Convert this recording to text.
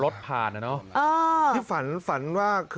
ดูสิ